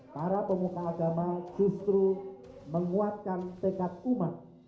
para pemuka agama justru menguatkan tekad umat